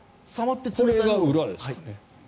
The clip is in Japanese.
これが裏ですかね。